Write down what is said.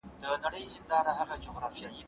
اغا مې هم د جومات لپاره ځانګړې پیسې ایښې وې.